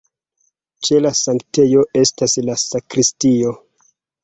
Ĉe la sanktejo estas la sakristio.